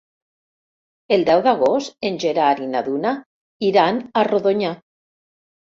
El deu d'agost en Gerard i na Duna iran a Rodonyà.